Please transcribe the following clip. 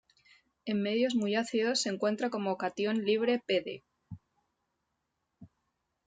En medios muy ácidos se encuentra como catión libre Pd.